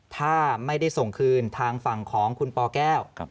ถ้าไม่ได้ส่งคืนทางฝั่งของคุณปแก้ว